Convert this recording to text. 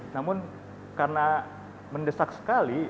namun karena mendesak sekali